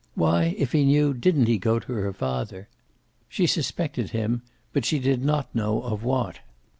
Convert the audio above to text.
Why, if he knew, didn't he go to her father? She suspected him, but she did not know of what.